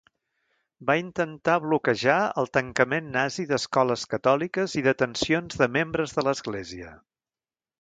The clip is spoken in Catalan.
Va intentar bloquejar el tancament nazi d'escoles catòliques i detencions de membres de l'Església.